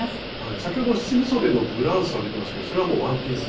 先ほど七分そでのブラウスは出てましたけどそれはワンピース。